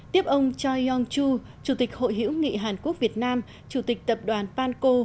tiếp ông choi yong choo chủ tịch hội hữu nghị hàn quốc việt nam chủ tịch tập đoàn panko